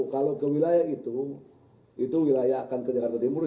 kalau ke wilayah itu itu wilayah akan ke jakarta timur